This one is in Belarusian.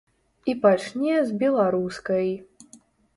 І пачне з беларускай.